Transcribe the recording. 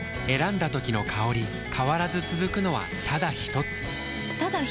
選んだ時の香り変わらず続くのはただひとつ？